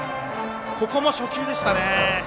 ここも初球でしたね。